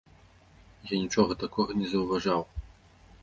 Я нічога такога не заўважаў.